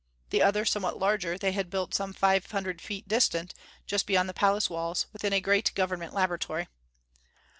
The other, somewhat larger, they had built some five hundred feet distant, just beyond the palace walls, within a great Government laboratory.